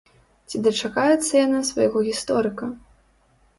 Ці дачакаецца яна свайго гісторыка?